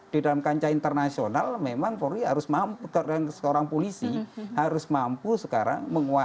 di dalam kancah internasional memang polri harus mampu seorang polisi harus mampu sekarang menguasai